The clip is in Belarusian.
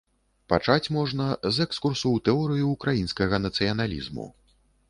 Пачаць можна з экскурсу ў тэорыю ўкраінскага нацыяналізму.